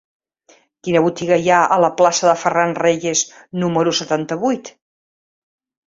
Quina botiga hi ha a la plaça de Ferran Reyes número setanta-vuit?